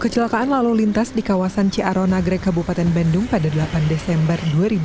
kecelakaan lalu lintas di kawasan ciaro nagrek kabupaten bandung pada delapan desember dua ribu dua puluh